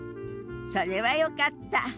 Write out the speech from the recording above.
それはよかった。